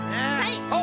はい！